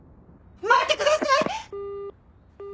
待ってください！